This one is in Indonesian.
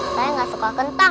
saya gak suka kentang